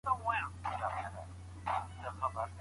څنګه یو څوک کولای سي ارام او ښه ژوند ولري؟